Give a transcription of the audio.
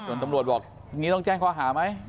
ส่วนตำรวจบอกนี่ต้องแจ้งขออาหารไหม